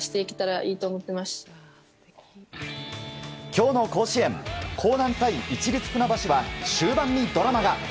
今日の甲子園興南対市立船橋は終盤にドラマが。